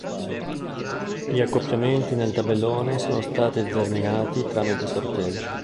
Gli accoppiamenti nel tabellone sono stati determinati tramite sorteggio.